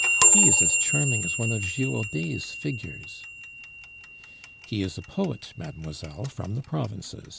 He is as charming as one of Girodet's figures." "He is a poet, mademoiselle, from the provinces.